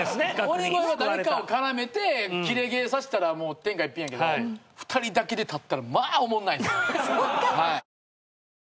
鬼越は誰かを絡めてキレ芸さしたらもう天下一品やけど２人だけで立ったらまあおもんないっす。